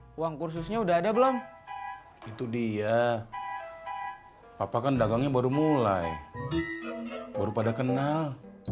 uang kursusnya udah ada belum itu dia papa kan dagangnya baru mulai baru pada kenal